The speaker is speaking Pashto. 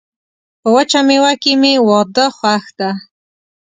په وچه میوه کي مي واده خوښ ده.